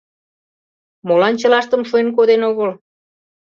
Молан чылаштым шуэн коден огыл?